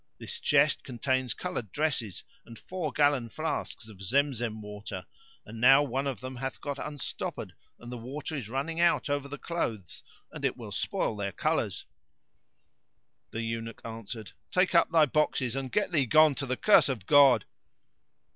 This chest contains coloured dresses, and four gallon flasks of Zemzem water;[FN#564] and now one of them hath got unstoppered and the water is running out over the clothes and it will spoil their colours." The eunuch answered, "Take up thy boxes and get thee gone to the curse of God!"